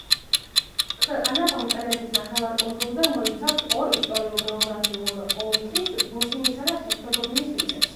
ქვეყანა ბალკანეთის ნახევარკუნძულზე, მოიცავს ორი ისტორიულ-გეოგრაფიული ოლქის ბოსნიისა და ჰერცეგოვინის მიწებს.